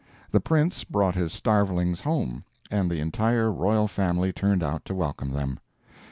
The Prince brought his starvelings home, and the entire royal family turned out to welcome them.